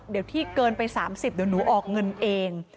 เดี๋ยวที่เกินไป๓๐เดี๋ยวหนูออกเงินเอง